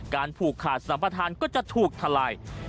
ผูกขาดสัมปทานก็จะถูกทลาย